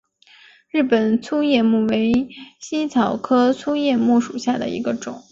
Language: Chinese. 日本粗叶木为茜草科粗叶木属下的一个种。